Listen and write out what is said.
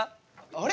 あれ？